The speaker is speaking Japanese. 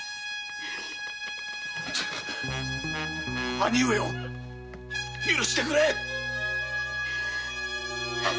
兄上を許してくれ！